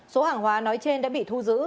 số hàng hóa nói trên đã bị thu giữ